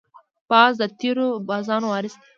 باز د تېرو بازانو وارث دی